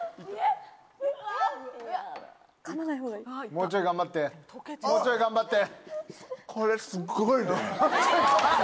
もうちょい頑張ってもうちょい頑張って。